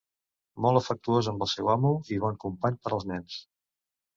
Molt afectuós amb el seu amo i bon company per als nens.